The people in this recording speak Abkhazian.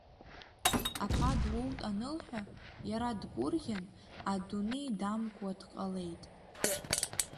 Аԥа дуоут анылҳәа, иара дгәырӷьан, адунеи дамкуа дҟалеит.